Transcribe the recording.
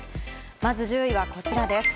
まず１０位はこちらです。